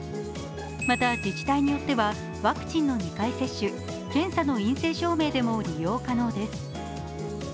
また、自治体によってはワクチンの２回接種、検査の陰性証明でも利用可能です。